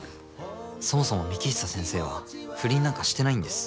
そもそも幹久先生は不倫なんかしてないんです。